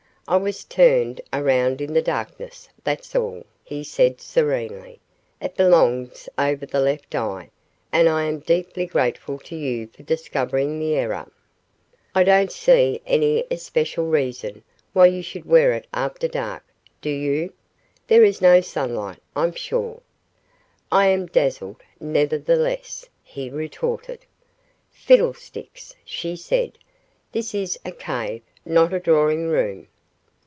"I was turned around in the darkness, that's all," he said, serenely. "It belongs over the left eye, and I am deeply grateful to you for discovering the error." "I don't see any especial reason why you should wear it after dark, do you? There is no sunlight, I'm sure." "I am dazzled, nevertheless," he retorted. "Fiddlesticks!" she said. "This is a cave, not a drawing room."